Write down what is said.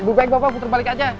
lebih baik bapak putar balik aja